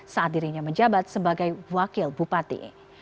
saat dirinya menjabat sebagai wakil bupati